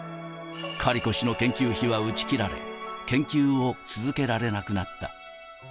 カリコ氏の研究費は打ち切られ、研究を続けられなくなった。